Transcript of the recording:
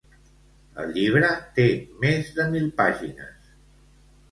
El llibre té més de mil pàgines.